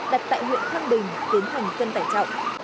đặt tại huyện thăng bình tiến hành cân tải trọng